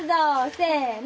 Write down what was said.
せの！